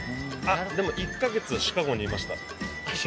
でも１か月シカゴにいました。